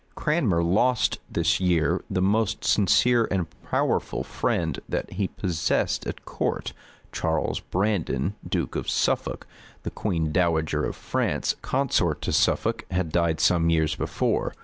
Cranmer lost this year the most sincere and powerful friend that he possessed at court, Charles Brandon, duke of Suffolk; the queen dowager of France, consort to Suffolk, had died some years before.